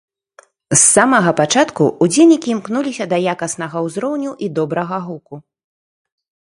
З самага пачатку ўдзельнікі імкнуліся да якаснага ўзроўню і добрага гуку.